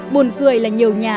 buồn cười là nhiều nhà